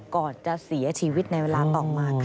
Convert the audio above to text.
ก่อนจะเสียชีวิตในเวลาต่อมาค่ะ